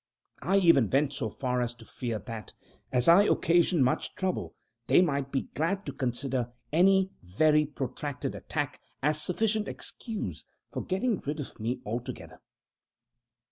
I even went so far as to fear that, as I occasioned much trouble, they might be glad to consider any very protracted attack as sufficient excuse for getting rid of me altogether.